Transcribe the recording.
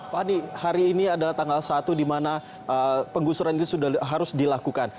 fadi hari ini adalah tanggal satu dimana penggusuran ini sudah harus dilakukan